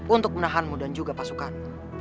untuk menahanmu dan juga pasukan